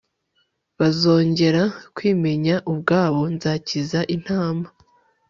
bazongera kwimenya ubwabo Nzakiza intama